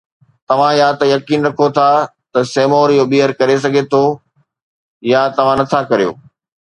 توهان يا ته يقين رکون ٿا ته سيمور اهو ٻيهر ڪري سگهي ٿو يا توهان نٿا ڪريو